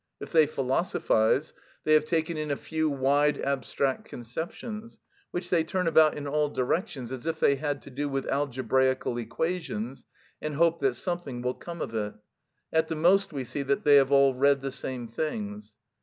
If they philosophise, they have taken in a few wide abstract conceptions, which they turn about in all directions, as if they had to do with algebraical equations, and hope that something will come of it; at the most we see that they have all read the same things.